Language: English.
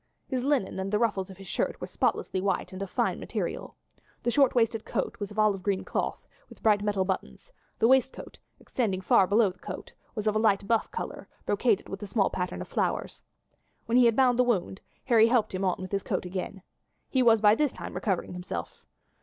His linen and the ruffles of his shirt were spotlessly white and of fine material. The short waisted coat was of olive green cloth, with bright metal buttons; the waistcoat, extending far below the coat, was a light buff colour, brocaded with a small pattern of flowers. When he had bound the wound Harry helped him on with his coat again. He was by this time recovering himself.